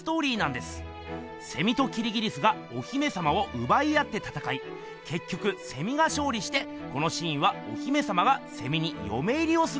セミときりぎりすがお姫さまをうばい合ってたたかいけっきょくセミがしょうりしてこのシーンはお姫さまがセミによめ入りをするところです。